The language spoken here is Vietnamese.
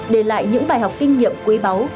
để lại những bài học kinh nghiệm quý báu